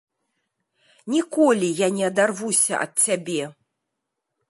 Ніколі я не адарвуся ад цябе!